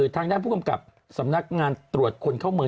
ทางด้านผู้กำกับสำนักงานตรวจคนเข้าเมือง